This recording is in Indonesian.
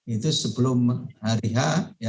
itu sebelum hari h